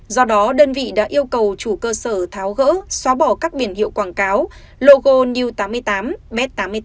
do đó đơn vị đã yêu cầu chủ cơ sở tháo gỡ xóa bỏ các biển hiệu quảng cáo logo new tám mươi tám b tám mươi tám